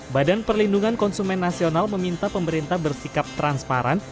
badan perlindungan konsumen nasional meminta pemerintah bersikap transparan